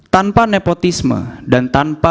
tanpa nepotisme dan tanpa